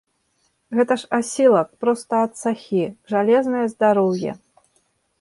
Гэта ж асілак, проста ад сахі, жалезнае здароўе.